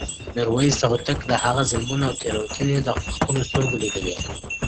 میرویس هوتک د هغه ظلمونه او تېروتنې په خپلو سترګو لیدې.